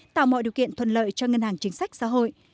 tạo mọi điều kiện thuận lợi cho ngân hàng chính sách xã hội